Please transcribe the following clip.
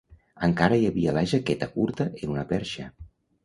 Encara hi havia la jaqueta curta en una perxa.